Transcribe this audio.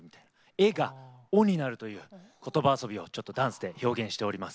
「え」が「お」になるということば遊びをダンスで表現しております。